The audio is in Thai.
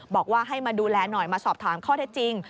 บอกว่าให้มาดูแลหน่อยมาสอบถามข้อเท็จจริง